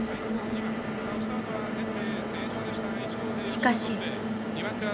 しかし。